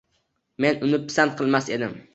Men uni pisand qilmas edim.